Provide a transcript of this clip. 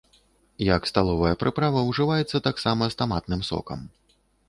Як сталовая прыправа ўжываецца таксама з таматным сокам.